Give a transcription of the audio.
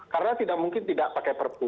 karena tidak mungkin tidak pakai perpu